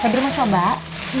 tidak ada yang bisa dibeliin